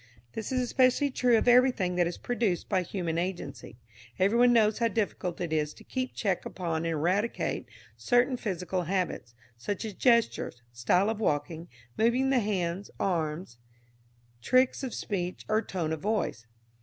This is especially true of everything that is produced by human agency. Everyone knows how difficult it is to keep check upon and eradicate certain physical habits, such as gestures, style of walking, moving the hands, arms, &c., tricks of speech, or tone of voice.